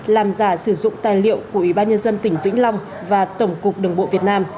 làm giả sử dụng tài liệu của ủy ban nhân dân tỉnh vĩnh long và tổng cục đường bộ việt nam